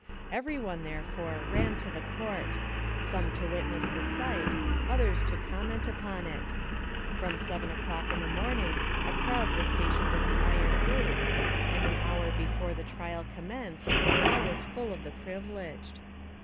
Everyone, therefore, ran to the court; some to witness the sight, others to comment upon it. From seven o'clock in the morning a crowd was stationed at the iron gates, and an hour before the trial commenced the hall was full of the privileged.